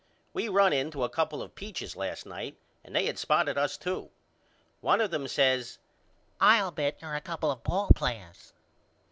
We run in to a couple of peaches last night and they had us spotted too. One of them says I'll bet you're a couple of ball players.